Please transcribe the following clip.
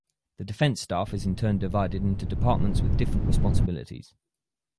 The Defence Staff is in turn divided into departments with different responsibilities.